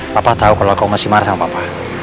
papa tau kalau kamu masih marah sama papa